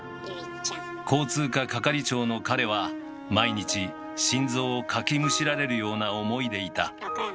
交通課係長の彼は毎日心臓をかきむしられるような思いでいた。